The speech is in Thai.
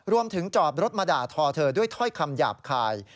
จอดรถมาด่าทอเธอด้วยถ้อยคำหยาบคาย